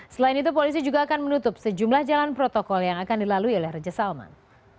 selain itu polisi juga akan menutup sejumlah jalan protokol yang akan dilalui oleh raja salman